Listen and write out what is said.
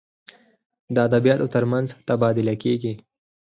د ادبیاتو تر منځ تبادله کیږي.